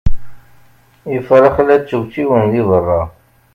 Ifrax la ččewčiwen deg berra.